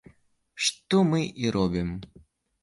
Што мы і робім.